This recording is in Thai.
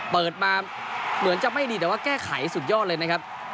เปิดมาเหมือนจะไม่ดีแต่ว่าแก้ไขสุดยอดเลยนะครับ